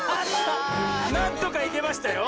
なんとかいけましたよ。